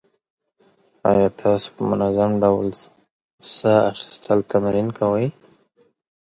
ایا تاسو په منظم ډول ساه اخیستل تمرین کوئ؟